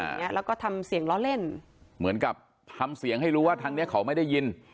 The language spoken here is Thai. เนี้ยแล้วก็ทำเสียงล้อเล่นเหมือนกับทำเสียงให้รู้ว่าทางเนี้ยเขาไม่ได้ยิน